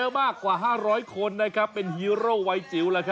มากันเจอเลย